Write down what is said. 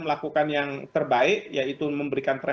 melakukan yang terbaik yaitu memberikan